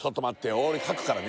俺書くからね